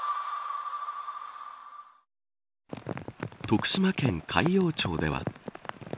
徳島県海陽町では。